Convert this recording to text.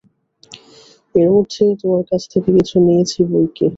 এর মধ্যে তোমার কাছ থেকে কিছু নিয়েছি নাকি।